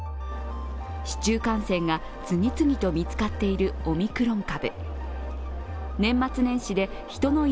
市中感染が次々と見つかっているオミクロン株。